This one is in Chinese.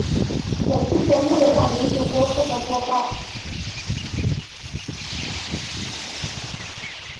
每期节目由两名主播负责播报。